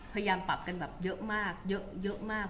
พยายามปรับกันแบบเยอะมากเยอะมาก